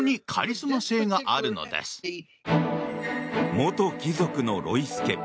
元貴族のロイス家。